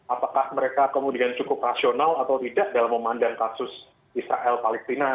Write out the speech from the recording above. apakah mereka kemudian cukup rasional atau tidak dalam memandang kasus israel palestina